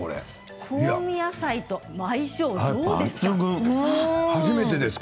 香味野菜との相性はどうですか？